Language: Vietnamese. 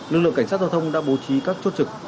lực lượng cảnh sát giao thông đã bố trí các chốt trực